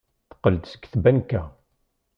Teqqel-d seg tbanka.